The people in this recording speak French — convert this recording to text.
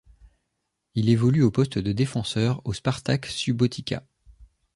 Il évolue au poste de défenseur au Spartak Subotica.